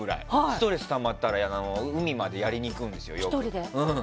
ストレスたまったら海までやりに行くんですよ。